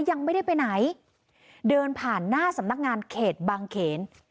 ยังไม่ได้ไปไหนเดินผ่านหน้าสำนักงานเขตบางเขน